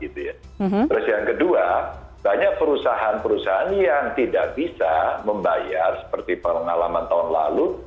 terus yang kedua banyak perusahaan perusahaan yang tidak bisa membayar seperti pengalaman tahun lalu